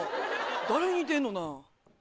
誰に似てんの？なぁ。